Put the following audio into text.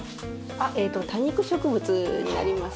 多肉植物になります。